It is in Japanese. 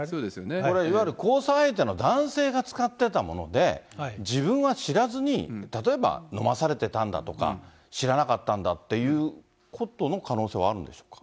これ、いわゆる交際相手の男性が使ってたもので、自分は知らずに、例えばのまされてたんだとか、知らなかったんだっていうことの可能性はあるんですか？